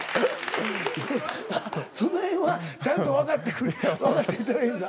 その辺はちゃんとわかってわかっていただいてた？